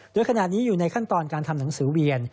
โดยขณะนี้อยู่ในขั้นตอนการทำหนังสือเวียน